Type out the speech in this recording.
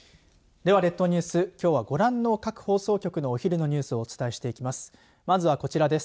では列島ニュースきょうはご覧の各放送局のお昼のニュースをお伝えしています。